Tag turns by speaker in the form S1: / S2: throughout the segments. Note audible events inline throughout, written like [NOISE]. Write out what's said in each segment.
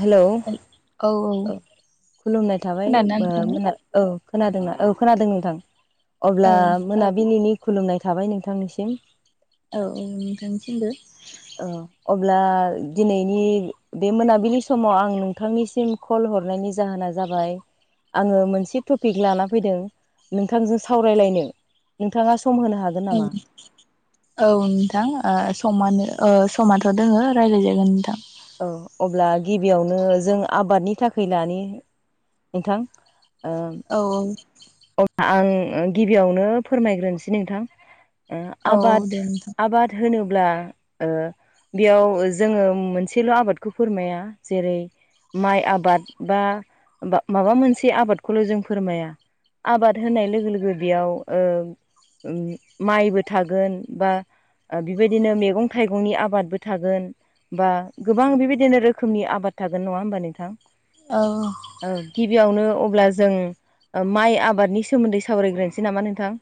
S1: Hello
S2: औ औ
S1: खुलुमनाय थाबाय
S2: खोनादोंना
S1: ओ मोना
S2: नोंथाङा
S1: औ खोनादोंना औ खोनादों नोंथां
S2: औ
S1: अब्ला मोनाबिलिनि खुलुमनाय थाबाय नोंथांनिसिम
S2: औ औ नोंथांनिसिमबो
S1: ओ अब्ला दिनैनि बे मोनाबिलि समाव आं नोंथांनिसिम कल हरनायनि जाहोना जाबाय आङो मोनसे टपिक लाना फैदों नोंथांजों सावरायलायनो नोंथाङा सम होनो हा
S2: औ औ नोंथां ओ समानो ओ समाथ' दोङो रायलायजागोन नोंथां
S1: औ अब्ला गिबियावनो जों आबादनि थाखाय लानि नोंथां ओ
S2: औ औ
S1: अब्ला आं गिबियावनो फोरमायग्रोनोसै नोंथां ओ
S2: औ
S1: आबाद
S2: दे नोंथां
S1: आबाद होनोब्ला ओ बियाव जोङो मोनसेल' आबादखौ फोरमाया जेरै माइ आबाद बा माबा मोनसे आबादखौल' जों फोरमाया आबाद होननाय लोगो लोगो बेयाव ओ माइबो थागोन बा ओ बिबायदिनो मेगं-थाइगंनि आबादबो थागोन बा गोबां बेबायदिनो रोखोमनि आबाद थागोन नङा होमबा नोंथां?
S2: औ
S1: ओ गिबियावनो अब्ला जों ओ माइ आबादनि सोमोन्दै सावरायग्रोनोसै नामा नोंथां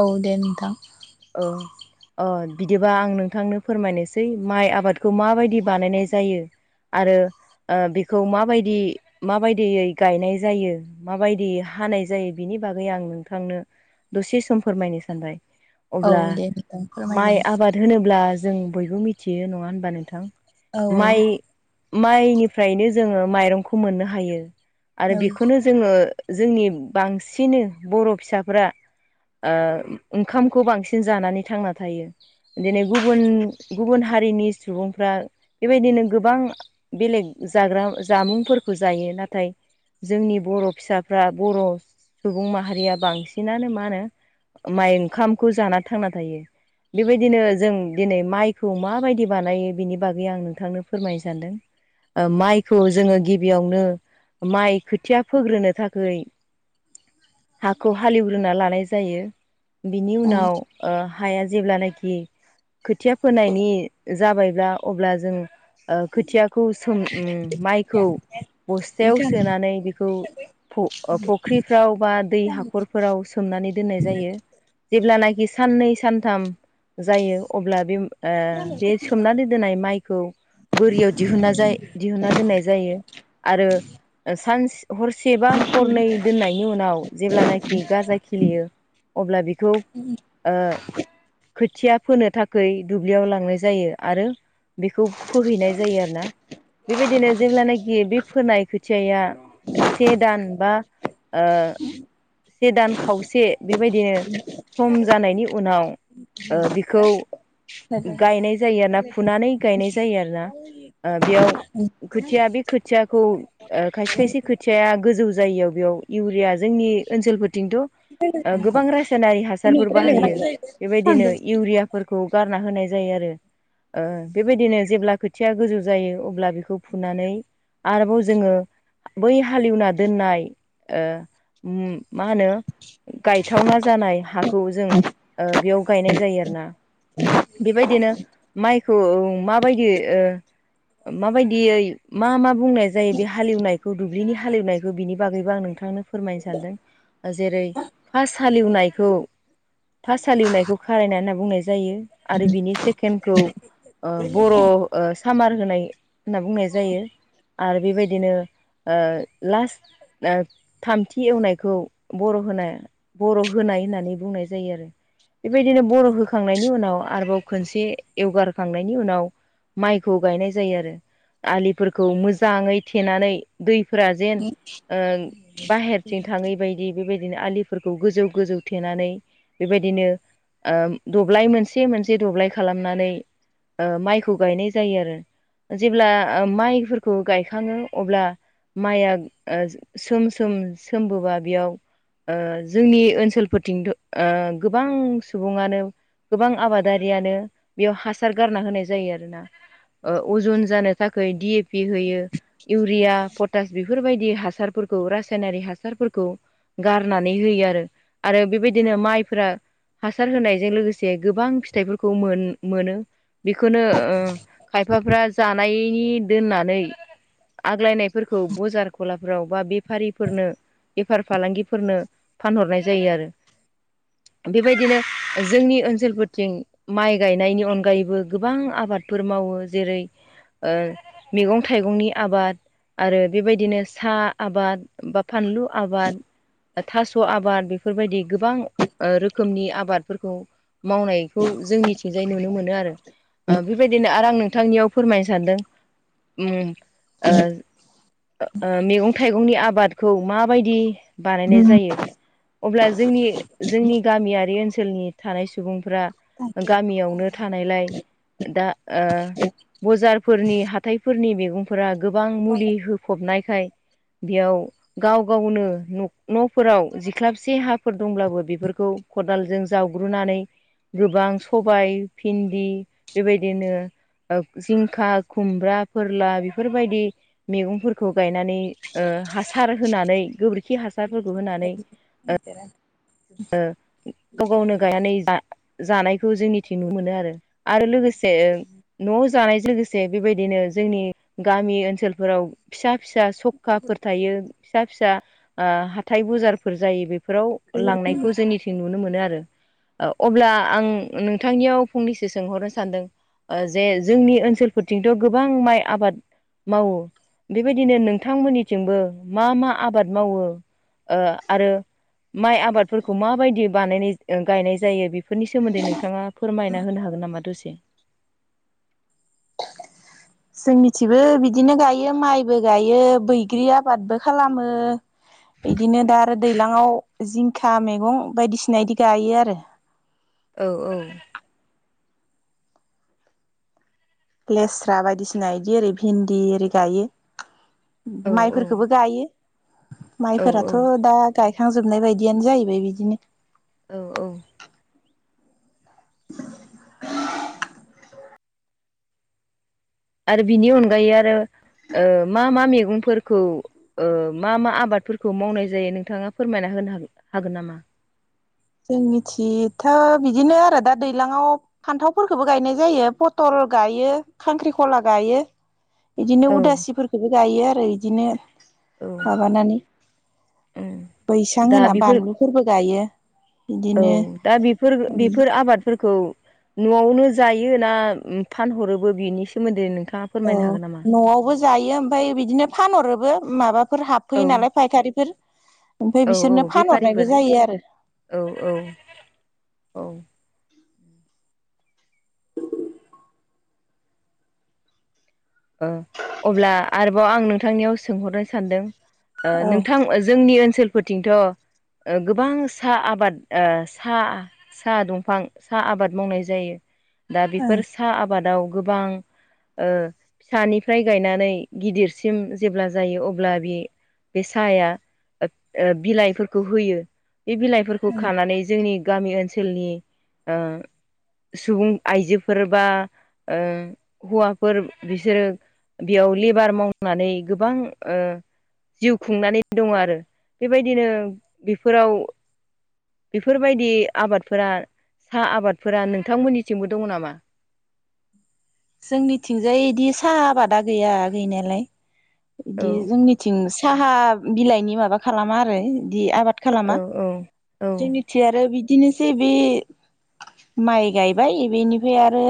S2: औ दे नोंथां
S1: ओ अ बिदिबा आं नोंथांनो फोरमायनोसै माइ आबादखौ माबायदि बानायनाय जायो आरो ओ बेखौ माबायदि माबायदियै गायनाय जायो माबायदि हानाय जायो बिनि बागै आं नोंथांनो दसे सम फोरमायनो सानबाय
S2: औ
S1: अब्ला
S2: दे नोंथां
S1: माइ
S2: फोरमायजागोन
S1: आबाद होनोब्ला जों बयबो मिथियो नङा होनबा नोंथां
S2: औ
S1: माइ माइनिफ्रायनो जोङो माइरंखौ मोननो हायो
S2: औ
S1: आरो बेखौनो जोङो जोंनि बांसिनो बर' फिसाफ्रा ओ ओंखामखौ बांसिन जानानै थांना थायो बिदिनो गुबुन गुबुन हारिनि सुबुंफ्रा बेबायदिनो गोबां बेलेग जाग्रा जामुंफोरखौ जायो नाथाय जोंनि बर' फिसा जोंहा बर' सुबुं माहारिया बांसिनानो मा होनो माइ ओंखामखौ जाना थांना थायो बेबायदिनो जों दिनै माइखौ माबायदि बानायो बिनि बागै आं नोंथांनो फोरमायनो सानदों माइखौ जोङो गिबियावनो माइ खोथिया फोग्रोनो थाखाय हाखौ हालेवग्रोना लानाय जायो बिनि
S2: औ
S1: उनाव हाया जेब्लानाखि खोथिया फोनायनि जाबायब्ला अब्ला जों खोथियाखौ सोम माइखौ बस्थायाव सोनानै बेखौ फुख्रिफ्राव बा दै हाखरफोराव सोमनानै दोननाय जायो जेब्लानाखि साननै सानथाम जायो अब्ला बे ओ बे
S2: जोंनिथिबो
S1: सोमनानै दोननाय माइखौ बोरियाव दिहुनना जाय दिहुनना दोननाय जायो आरो सानसे हरसेबा हरनै दोननाय बिनि उनाव जेब्लानाखि गाजा खिलियो अब्ला बेखौ खोथिया फोनो थाखाय दुब्लियाव लांनाय जायो आरो बेखौ फोहैनाय जायो आरोना बेबायदिनो जेब्लानाखि बे फोनाय खोथियाया से दान बा से दान खावसे बेबायदिनो सम जानायनि उनाव ओ बिखौ
S2: [INAUDIBLE]
S1: गायनाय जायो आरो ना फुनानै गायनाय जायो आरो ना बेयाव खोथिया बे खोथियाखौ खायसे खायसे खोथिया या गोजौ जायैयाव बेयाव इउरिया जोंनि ओनसोलफोरथिंथ' गोबां रासायनारि हासारफोर बाहायो बेबायदिनो इउरिया फोरखौ गारना होनाय जायो आरो बेबायदिनो जेब्ला खोथिया गोजौ जायो अब्ला बेखौ फुनानै आरोबाव जोङो बै हालेवना दोननाय मा होनो गायथावना जानाय हाखौ जों बेयाव गायनाय जायो आरो ना बेबायदिनो माइखौ मा माबायदि माबायदियै मा मा बुंनाय जायो बे हालेवनाय खौ दुब्लिनि हालेवनायखौ बिनि बागैबो आं नोंथांनो फोरमायनो सानदों जेरै फार्स्ट हालेवनायखौ फार्स्ट हालेवनायखौ खारायनाय होनना बुंनाय जायो आरो बिनि सेकेन्डखौ बर सामार होनाय होनना बुंनाय जायो आरो बेबायदिनो ओ लास्ट थामथि एवनायखौ बर' होनाय बर' होनाय होननानै बुंनाय जायो आरो बेबायदिनो बर' होखांनायनि उनाव आरोबाव खनसे एवगारखांनायनि उनाव माइखौ गायनाय जायो आरो आलिफोरखौ मोजाङै थेनानै दैफोरा जेन बाहेरथिं थाङै बायदि बेबायदिनो आलिफोरखौ गोजौ गोजौ थेनानै बेबायदिनो दब्लाय मोनसे मोनसे दब्लाय खालामनानै माइखौ गायनाय जायो आरो जेब्ला माइफोरखौ गायखाङो अब्ला माइआ सोम सोम सोमबोबा बेयाव जोंनि ओनसोलफोरथिंथ' गोबां सुबुङानो गोबां आबादारियानो बेयाव हासार गारना होनाय जायो आरोना अजन जानो थाखाय डि ए पि होयो इउरिया पटास बेफोरबायदि हासारफोरखौ रासायनारि हासारफोरखौ गारनानै होयो आरो आरो बेबायदिनो माइफोरा हासार होनायजों लोगोसे गोबां फिथाइफोरखौ मोन मोनो बेखौनो खायफाफ्रा जानायनि दोननानै आग्लायनाय फोरखौ बजार कलाफोराव बा बेफारिफोरनो बेफार फालांगिफोरनो फानहरनाय जायो आरो बेबायदिनो जोंनि ओनसोलफोरथिं माइ गायनायनि अनगायैबो गोबां आबादफोर मावो जेरै ओ मैगं थाइगंनि आबाद आरो बेबायदिनो साहा आबाद बा फानलु आबाद बा थास' आबाद बेफोरबायदि गोबां ओ रोखोमनि आबादफोरखौ मावनायखौ जोंनिथिंजाय नुनो मोनो आरो। ओ बेबायदिनो आरो आं नोंथांनियाव फोरमायनो सानदों उम ओ ओ मैगं थाइगंनि आबादखौ माबायदि बानायनाय जायो। अब्ला जोंनि जोंनि गामियारि ओनसोलनि थानाय सुबुंफ्रा गामियावनो थानायलाय दा ओ बजारफोरनि हाथाय फोरनि मैगंफोरा गोबां मुलि होफबनायखाय बेयाव गाव गावनो न'फोराव जिख्लाबसे हाफोर दंब्लाबो बेफोरखौ खदालजों जावग्रोनानै गोबां सबाइ भिन्दि बेबायदिनो ओ जिंखा खुमब्रा फोरला बेफोरबायदि मैगंफोरखौ गायनानै ओ हासार होनानै गोबोरखि हासारफोरखौ होनानै
S2: [INAUDIBLE]
S1: ओ गाव गावनो गायनानै जा जानायखौ जोंनिथिं नु मोनो आरो आरो लोगोसे न'वाव जानाय लोगोसे बेबायदिनो जोंनि गामि ओनसोलफोराव फिसा फिसा सखाफोर थायो फिसा फिसा ओ हाथाय बजारफोर जायो बे फोराव लांनायखौ जोंनिथिं नुनो मोनो आरो। अब्ला आं नोंथांनियाव फंनैसो सोंहरनो सानदों। ओ जे जोंनि ओनसोलफोरथिंथ' गोबां माइ आबाद मावो बेबायदिनो नोंथांमोननिथिंबो मा मा आबाद मावो? आरो माइ आबादफोर खौ माबायदि बानायनाय गायनाय जायो बेफोरनि सोमोन्दै नोंथाङा फोरमायना होनो हागोन नामा दसे?
S2: जोंनिथिबो बिदिनो गायो माइबो गायो बैग्रि आबादबो खालामो। इदिनो दा आरो दैलाङाव जिंखा मैगं बायदिसिना इदि गायो आरो।
S1: औ औ
S2: लेस्रा बायदिसिना इदि ओरै भिन्दि ओरै गायो।
S1: औ
S2: माइफोरखोबो गायो
S1: औ
S2: माइफोराथ' दा गायखांजोबनाय बायदियानो जाहैबाय बिदिनो
S1: औ औ आरो बिनि अनगायै आरो ओ मा मा मेगंफोरखौ ओ मा मा आबादफोरखौ मावनाय जायो नोंथाङा फोरमायना होनो हागोन नामा?
S2: जोंनिथिथ' बिदिनो आरो दा दैलाङाव फान्थावफोरखौबो गायनाय जायो पटल गायो खांख्रिखला गायो। इदिनो
S1: औ
S2: उदासिफोरखौबो गायो आरो इदिनो
S1: औ
S2: माबानानै
S1: ओम
S2: बैसां
S1: दा
S2: होना
S1: बेफोर
S2: बानलुफोरबो गायो।
S1: औ
S2: बिदिनो
S1: दा बेफोर बेफोर आबादफोरखौ न'वावनो जायो ना फानहरोबो बिनि सोमोन्दै नों
S2: औ न'वावबो जायो ओमफ्राय बिदिनो फानहरोबो माबाफोर
S1: औ
S2: हाबफैयो नालाय फायखारिफोर ओमफ्राय
S1: औ औ
S2: बिसोरनो
S1: बेफारिफोर
S2: फानहरनायबो जायो आरो।
S1: औ औ औ ओ अब्ला आरोबाव आं नोंथांनियाव सोंहरनो सानदों। ओ
S2: औ
S1: नोंथां जोंनि ओनसोलफोरथिंथ' ओ गोबां सा आबाद ओ सा सा दंफां सा आबाद मावनाय जायो। दा बेफोर सा आबादाव गोबां ओ फिसानिफ्राय गायनानै गिदिरसिम जेब्ला जायो अब्ला बे बे साहाया ओ ओ बिलाइफोरखौ होयो। बे बिलाइफोरखौ
S2: ओं
S1: खानानै जोंनि गामि ओनसोलनि ओ सुबुं आइजोफोर बा ओ हौवाफोर बिसोरो बेयाव लेबार मावनानै गोबां ओ जिउ खुंनानै दङ आरो बेबायदिनो बेफोराव बेफोरबायदि आबादफोरा साहा आबादफोरा नोंथांमोननिसिमबो दङ नामा?
S2: जोंनिथिंजाय बिदि साहा आबादा गैया गैनायालाय
S1: औ
S2: बिदि जोंनि थिं साहा बिलाइनि माबा खालामा आरो बिदि आबाद
S1: औ
S2: खालामा
S1: औ औ
S2: जोंनि खाथि आरो बिदिनोसै बे माइ गायबाय बेनिफ्राय आरो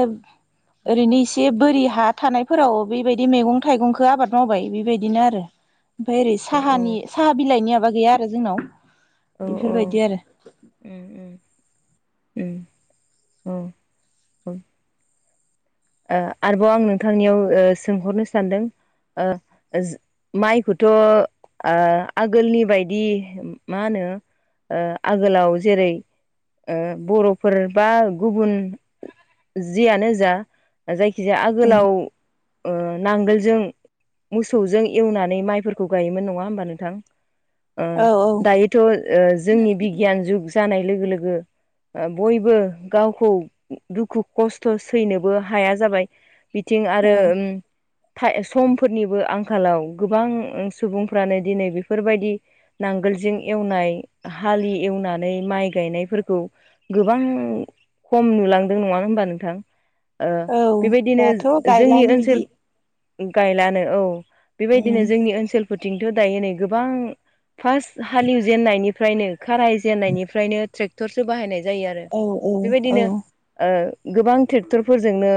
S2: ओरैनो इसे बोरि हा थानायफोराव बेबायदि मैगं थाइगंखौ आबाद मावबाय बेबायदिनो आरो
S1: [INAUDIBLE]
S2: ओमफ्राय ओरै
S1: औ
S2: साहानि साहा बिलाइनि माबा गैया आरो जोंनाव
S1: औ औ
S2: बेफोरबायदि आरो
S1: उम उम उम औ औ ओ आरोबाव आं नोंथांनियाव ओ सोंहरनो सानदों ओ जों माइखौथ' आगोलनि बायदि मा होनो ओ आगोलाव जेरै ओ बर'फोर बा गुबुन जियानो जा जायखिजाया
S2: उम
S1: आगोलाव ओ नांगोलजों मोसौजों एवनानै माइफोरखौ गायोमोन नङा होमबा नोंथां? ओ
S2: औ औ
S1: दायोथ' ओ जोंनि बिगियान जुग जानाय लोगो लोगो ओ बयबो गावखौ दुखु खस्थ' सैनोबो हाया जाबाय बिथिं
S2: औ
S1: आरो उम थाय समफोरनिबो आंखालाव गोबां सुबुंफ्रानो दिनै बेफोरबायदि नांगोलजों एवनाय हालि एवनानै माइ गायनायफोरखौ गोबां खम नुलांदों नङा होमबा नोंथां? ओ
S2: औ
S1: बेबायदिनो
S2: दाथ'
S1: जोंनि
S2: गायलानो बिदि
S1: ओनसोल गायलानो औ बेबायदिनो
S2: उम
S1: जोंनि ओनसोल फोरथिंथ' दायो नै गोबां फार्स्ट हालेवजेननायनिफ्रायनो खाराय जेननायनिफ्रायनो ट्रेक्टरसो बाहायनाय जायो आरो
S2: औ औ औ
S1: बेबायदिनो ओ गोबां ट्रेक्टर फोरजोंनो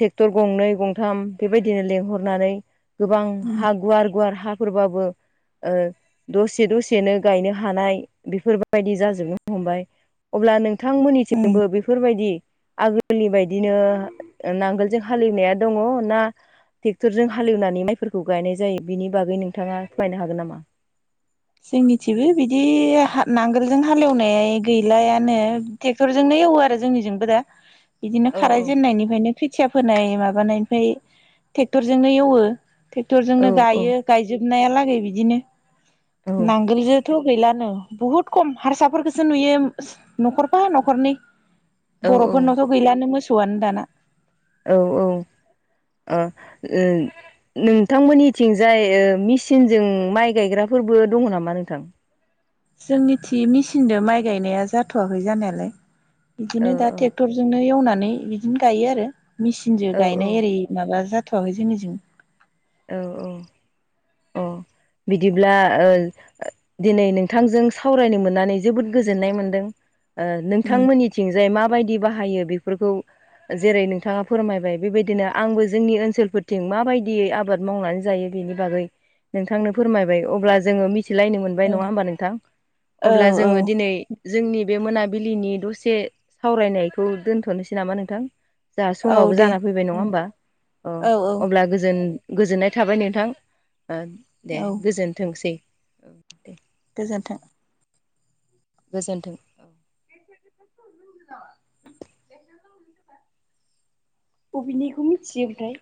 S1: ट्रेक्टर गंनै गंथाम बेबायदिनो लेंंहरनानै गोबां
S2: उम
S1: हा गुवार गुवार हाफोरबाबो ओ दसे दसेनो गायनो हानाय बेफोरबायदि जाजोबनो हमबाय अब्ला
S2: उम
S1: नोंथांमोननिथिंबो बेफोरबायदि आगोलनि बायदि बिदिनो नांगोलजों हाललिवनाया दङ ना ट्रेक्टरजों हालेवनानै माइफोरखौ गायनाय जायो बिनि बागै नोंथाङा फोरमायनो हागोन नामा?
S2: जोंनिथिबो बिदि नांगोलजों हालेवनाय गैलायानो। ट्रेक्टरजोंनो एवो आरो जोंनिजोंबो दा।
S1: [INAUDIBLE]
S2: बिदिनो खाराय
S1: औ
S2: जेननायनिफ्रायनो खोथिया फोनाय माबानायनिफ्राय ट्रेक्टरजोंनो एवो
S1: औ
S2: ट्रेक्टरजोंनो गायो गायजोबनायालागै बिदिनो नांगोलजों थ' गैलानो बुहुत खम हारसाफोरखौसो नुयो न'खरफा न'खरनै
S1: औ
S2: बर'फोरनावथ' गैलानो मोसौआनो दाना
S1: औ औ नोंथांमोननिथिंजा ओ मेचिनजों माइ गायग्राफोरबो दङ नामा नोंथां?
S2: जोंनिथि मेचिनजों माइ गायनाया जाथ'वाखै जानायालाय
S1: औ
S2: बिदिनो दा ट्रेक्टर जोंनो एवनानै बिदिनो गायो आरो मेसिनजों
S1: औ औ
S2: गायनाय एरै माबा जाथ'वाखै जोंनिजों
S1: औ औ अ बिदिब्ला ओ दिनै नोंथांजों सावरायनो मोननानै जोबोद गोजोननाय मोन्दों नोंथांमोननि थिंजाय माबायदि बाहायो बेफोरखौ जेरै नोंथाङा फोरमायबाय बेबायदिनो आंबो जोंनि ओनसोलफोरथिं माबायदियै आबाद मावनानै जायो बेनि बागै नोंथांनो फोरमायबाय अब्ला जोङो मिथिलायनो मोनबाय नङा होमबा नोंथां
S2: औ
S1: अब्ला
S2: औ
S1: जोङो दिनै जोंनि बे मोनाबिलिनि दसे सावरायनायखौ दोनथ'नोसै नामा नोंथां जोंहा
S2: औ
S1: समावबो
S2: दे
S1: जाना फैबाय नङा होमबा अ
S2: औ औ
S1: अब्ला गोजोन गोजोननाय थाबाय नोंथां ओ दे
S2: औ
S1: गोजोन थोंसै
S2: गोजोन्थों
S1: गोजोन्थों औ
S2: [INAUDIBLE] [INAUDIBLE] बबेनिखौ मिथियो ओमफ्राय